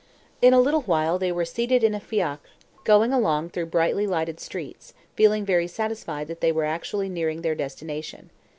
In a little while they were seated in a fiacre, going along through brightly lighted streets, feeling very satisfied that they were actually nearing their destination.